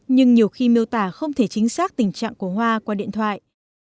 nhưng nhiều khi miêu tả không thể chính xác tình trạng của hoa qua điện thoại